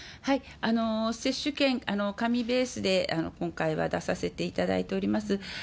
接種券、紙ベースで今回は出させていただいております。